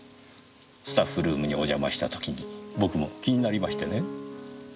スタッフルームにお邪魔した時に僕も気になりましてね。